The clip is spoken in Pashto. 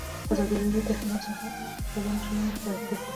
ازادي راډیو د حیوان ساتنه په اړه د استادانو شننې خپرې کړي.